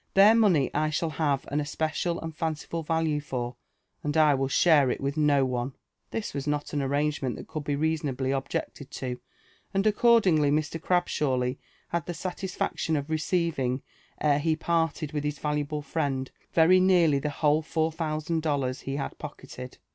Their money I shall have an especial and fanciful value for, and I will share it with no one." This was not an arrangement that could be reasonably objected to, and accordingly Mr. Crabshawly had the satisfaction of receiving ere he parted wHh his valuable friend very nearly the whole four thou sand dollars he had pocketed.